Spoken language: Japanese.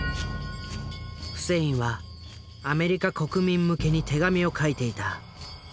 フセインはアメリカ国民向けに手紙を書いていた。